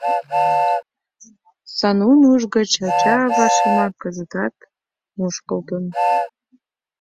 — Санун уш гыч ача-ава шомак кызыт мушкылтын.